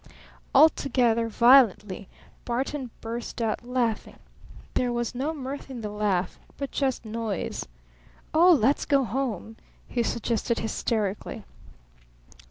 Altogether violently Barton burst out laughing. There was no mirth in the laugh, but just noise. "Oh, let's go home!" he suggested hysterically.